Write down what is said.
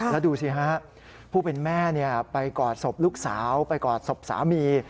แล้วดูสิฮะผู้เป็นแม่ไปกอดศพลูกสาวไปกอดศพสามี